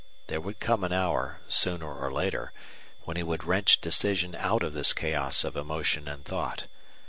There would come an hour, sooner or later, when he would wrench decision out of this chaos of emotion and thought.